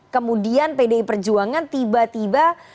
kemudian pdi perjuangan tiba tiba